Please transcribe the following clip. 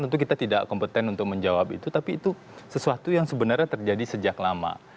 tentu kita tidak kompeten untuk menjawab itu tapi itu sesuatu yang sebenarnya terjadi sejak lama